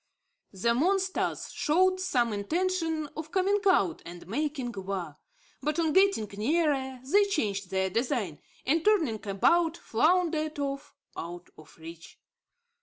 The monsters showed some intention of coming out and making war; but, on getting nearer, they changed their design, and, turning about, floundered off out of reach.